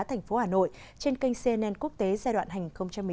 thành phố hà nội trên kênh cnn quốc tế giai đoạn hành một mươi chín hai nghìn hai mươi bốn